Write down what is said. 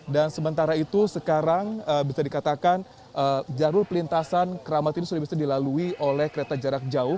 dan sementara itu sekarang bisa dikatakan jarur pelintasan keramat ini sudah bisa dilalui oleh kereta jarak jauh